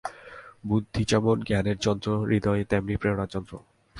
বুদ্ধি যেমন জ্ঞানের যন্ত্র, হৃদয় তেমনি প্রেরণার যন্ত্র।